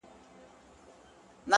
لکه لوبغاړی ضرورت کي په سر بال وهي _